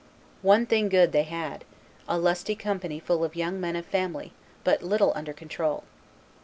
One thing good they had: a lusty company full of young men of family, but little under control."